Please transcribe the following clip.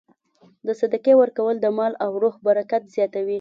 د صدقې ورکول د مال او روح برکت زیاتوي.